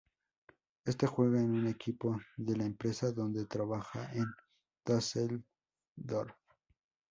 Éste juega en el equipo de la empresa donde trabaja en Dusseldorf.